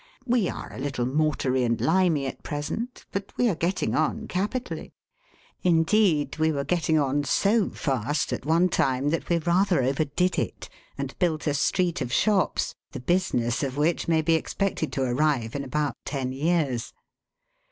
We are a little mortary and limey at present, but we are getting on capitally. Indeed, we were getting on so fast, at one time, that we rather overdid it, and built a street of shops, the business of which may be expected to arrive in about ten years.